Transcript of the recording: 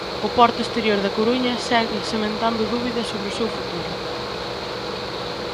O porto exterior da Coruña segue sementando dúbidas sobre o seu futuro.